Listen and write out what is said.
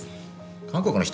韓国の人？